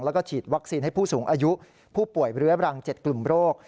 แล้วก็ฉีดวัคซีนให้ผู้สูงอายุผู้ป่วยเรื้อบรัง๗กลุ่มโรค